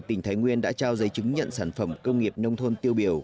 tỉnh thái nguyên đã trao giấy chứng nhận sản phẩm công nghiệp nông thôn tiêu biểu